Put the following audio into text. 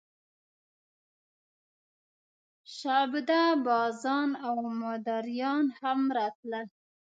شعبده بازان او مداریان هم راتلل.